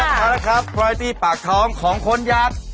พบกันแล้วครับปล่อยตี้ปากท้องของคนยักษ์